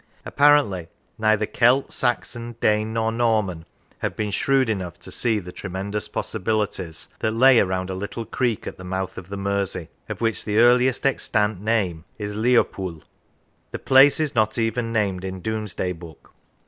Ap parently, neither Celt, Saxon, Dane, nor Norman had been shrewd enough to see the tremendous possibilities that lay round a little creek at the mouth of the Mersey, of which the earliest extant name is Liuerpul. The place is not even named in Domesday Book.